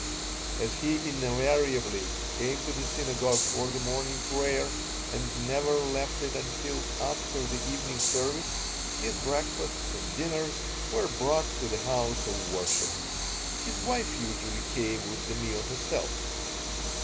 As he invariably came to the synagogue for the morning prayer, and never left it until after the evening service, his breakfasts and dinners were brought to the house of worship. His wife usually came with the meal herself.